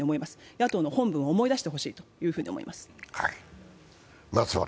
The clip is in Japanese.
野党の本分を思い出してほしいと思います。